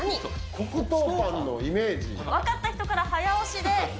分かった人から早押しで。